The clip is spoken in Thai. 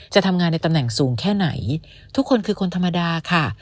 จะทำงานในตำแหน่งสูงแค่ไหนทุกคนคือคนธรรมดาค่ะ